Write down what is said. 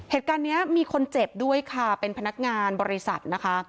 เหตุการณ์นี้มีคนเจ็บด้วยค่ะเป็นพนักงานบริษัทนะคะ